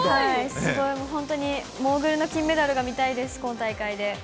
もう本当に、モーグルの金メダルが見たいです、今大会で。